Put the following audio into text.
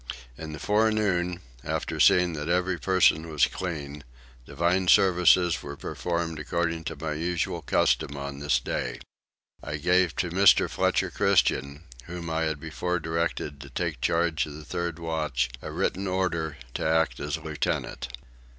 In the forenoon, after seeing that every person was clean, divine service was performed according to my usual custom on this day. I gave to Mr. Fletcher Christian, whom I had before directed to take charge of the third watch, a written order to act as lieutenant.